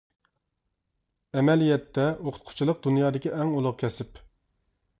ئەمەلىيەتتە ئوقۇتقۇچىلىق دۇنيادىكى ئەڭ ئۇلۇغ كەسىپ.